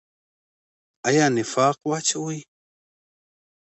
آیا نفاق واچوي؟